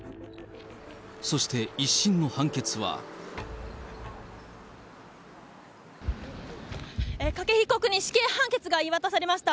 そして、１審の判決は。筧被告に死刑判決が言い渡されました。